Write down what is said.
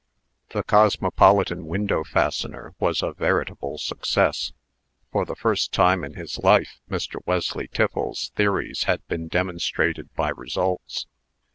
The "Cosmopolitan Window Fastener" was a veritable success. For the first time in his life, Mr. Wesley Tiffles's theories had been demonstrated by results.